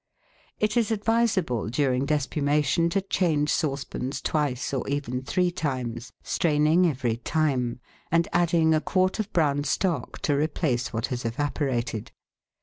It is advisable during despumation to change saucepans twice or even three times, straining every time, and adding a quart of brown stock to replace what has evaporated.